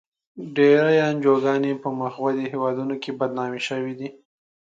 ډېری انجوګانې په مخ پر ودې هېوادونو کې بدنامې شوې.